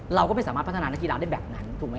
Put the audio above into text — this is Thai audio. เราก็ไม่สามารถพัฒนานักกีฬาได้แบบนั้นถูกไหม